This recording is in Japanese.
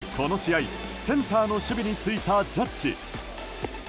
そして、この試合センターの守備についたジャッジ。